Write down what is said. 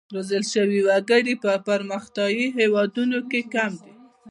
روزل شوي وګړي په پرمختیايي هېوادونو کې کم دي.